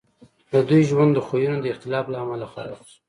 د دوی ژوند د خویونو د اختلاف له امله خراب شو